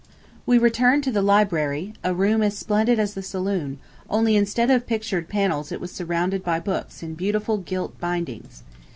We returned to the library, a room as splendid as the saloon, only instead of pictured panels it was surrounded by books in beautiful gilt bindings.